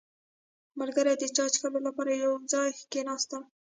• ملګري د چای څښلو لپاره یو ځای کښېناستل.